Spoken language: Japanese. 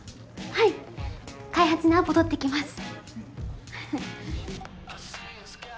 はい開発にアポ取ってきます